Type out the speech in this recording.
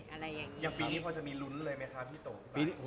ปีนี้เขาจะรุ้นเลยไหมนะ